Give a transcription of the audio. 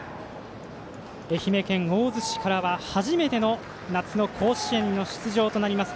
愛媛県大洲市からは初めての夏の甲子園の出場となります